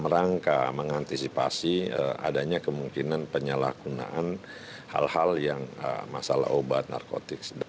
rangka mengantisipasi adanya kemungkinan penyalahgunaan hal hal yang masalah obat narkotik